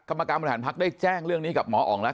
กรรมการบริหารพักได้แจ้งเรื่องนี้กับหมออ๋องแล้ว